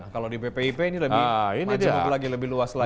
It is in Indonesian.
kalau di ppip ini lebih majemuk lagi lebih luas lagi